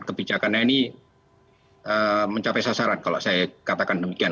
kebijakannya ini mencapai sasaran kalau saya katakan demikian